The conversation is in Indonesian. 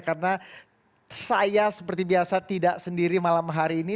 karena saya seperti biasa tidak sendiri malam hari ini